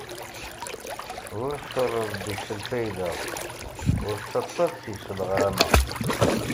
Ur cerreḍ deg-s lfayda, ur ttaṭṭaf seg-s leɣrama.